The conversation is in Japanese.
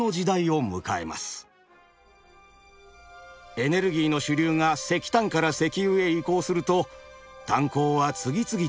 エネルギーの主流が石炭から石油へ移行すると炭鉱は次々と閉山。